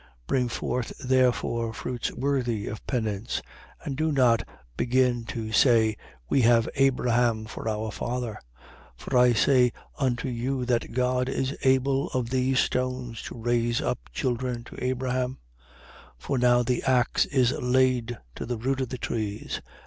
3:8. Bring forth therefore fruits worthy of penance: and do not begin to say, We have Abraham for our father. For I say unto you that God is able of these stones, to raise up children to Abraham. 3:9. For now the axe is laid to the root of the trees.